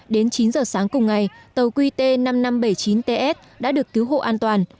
đến chín giờ sáng cùng ngày tàu qt năm nghìn năm trăm bảy mươi chín ts đã được cứu hộ an toàn